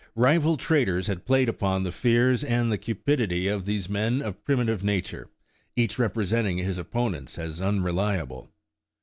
Rival traders had played upon the fears and the cupidity of these men of primitive nature, each representing his opponents as unreliable.